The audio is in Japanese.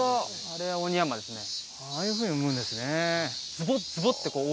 ああいうふうに産むんですね。